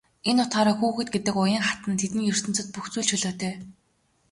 Энэ утгаараа хүүхэд гэдэг уян хатан тэдний ертөнцөд бүх зүйл чөлөөтэй.